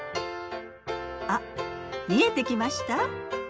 あっ見えてきました？